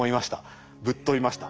ぶっ飛びました。